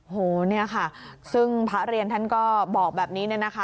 โหเนี่ยค่ะซึ่งพระเรียนท่านก็บอกแบบนี้เนี่ยนะคะ